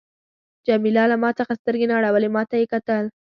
جميله له ما څخه سترګې نه اړولې، ما ته یې کتل.